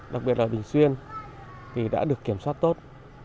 đặc biệt là bình xuyên thì đã được kiểm soát tốt